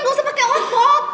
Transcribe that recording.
gak usah pake ombok